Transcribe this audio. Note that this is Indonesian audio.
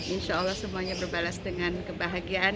insya allah semuanya berbalas dengan kebahagiaan